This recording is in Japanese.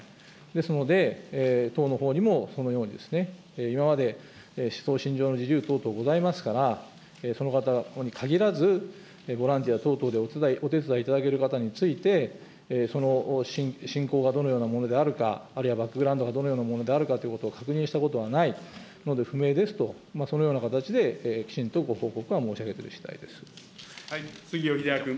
ですので、党のほうにもそのように今まで、思想信条の自由等々ございますから、その方に限らず、ボランティア等々でお手伝いいただける方について、その信仰がどのようなものであるか、あるいはバックグラウンドがどのようなものであるかということを確認したことはない、不明ですと、そのような形できちんとご報告は申し上げているとおりでございま